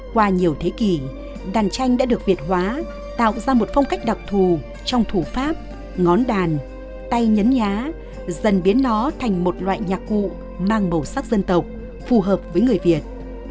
qua nhiều thế kỷ đàn tranh đã được việt hóa tạo ra một phong cách đặc thù trong thủ pháp ngón đàn tay nhấn nhá dần biến nó thành một loại nhạc cụ mang màu sắc dân tộc phù hợp với người việt